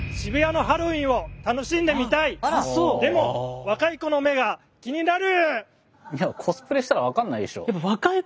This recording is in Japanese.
でも若い子の目が気になる！